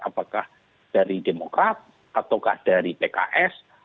apakah dari demokrat ataukah dari pks